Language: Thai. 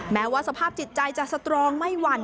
แม้ว่าสภาพจิตใจจะสตรองไม่หวั่น